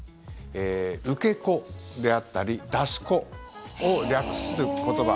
受け子であったり出し子を略する言葉。